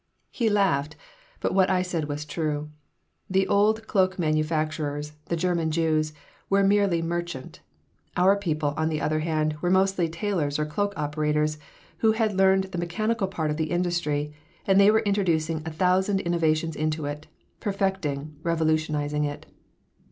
He laughed, but what I said was true. The old cloak manufacturers, the German Jews, were merely merchant. Our people, on the other hand, were mostly tailors or cloak operators who had learned the mechanical part of the industry, and they were introducing a thousand innovations into it, perfecting, revolutionizing it.